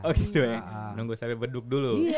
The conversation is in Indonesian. oh gitu ya nunggu sampai beduk dulu